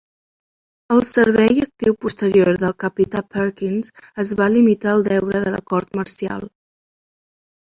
El servei actiu posterior del Capità Perkins es va limitar a el deure de la cort marcial.